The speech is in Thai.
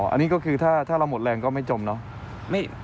อันนี้ก็คือถ้าเราหมดแรงก็ไม่จมเนาะ